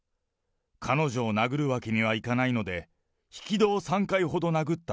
彼女を殴るわけにはいかないので、引き戸を３回ほど殴った。